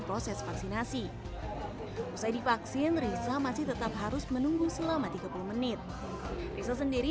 proses vaksinasi usai divaksin risa masih tetap harus menunggu selama tiga puluh menit risa sendiri